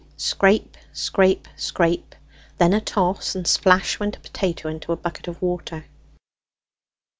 Scrape, scrape, scrape; then a toss, and splash went a potato into a bucket of water.